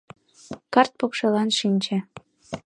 Карт покшелан шинче.